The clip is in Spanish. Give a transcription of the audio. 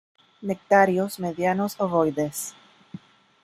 Nectarios medianos ovoides.